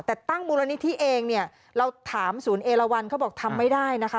แต่ตั้งมูลนิธิเองเนี่ยเราถามศูนย์เอลวันเขาบอกทำไม่ได้นะคะ